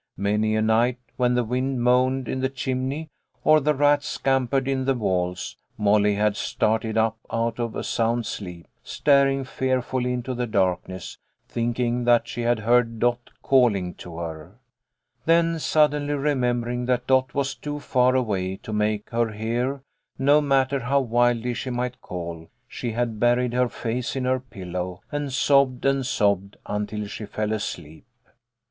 Many a night, when the wind moaned in the chimney, or the rats scampered in the walls, Molly had started up out of a sound sleep, staring fearfully into the darkness, thinking that she had heard Dot calling to her. Then suddenly remember TO BARLE Y BRIGHT. " 49 ing that Dot was too far away to make her hear, no matter how wildly she might call, she had buried her face in her pillow, and sobbed and sobbed until she fell asleep.